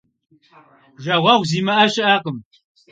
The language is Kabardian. Жагъуэгъу зимыӏэ щыӏэкъым.